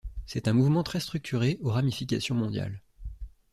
C'est un mouvement très structuré aux ramifications mondiales.